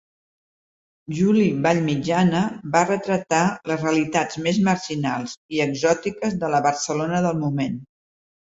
Juli Vallmitjana va retratar les realitats més marginals i exòtiques de la Barcelona del moment.